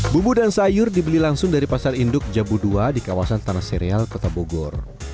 bumbu dan sayur dibeli langsung dari pasar induk jabudua di kawasan tanah serial kota bogor